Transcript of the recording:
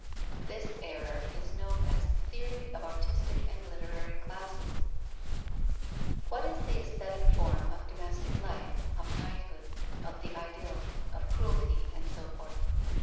This error is known as the theory of artistic and literary classes. What is the aesthetic form of domestic life, of knighthood, of the idyll, of cruelty, and so forth?